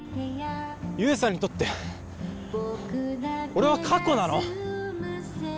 悠さんにとって俺は過去なの？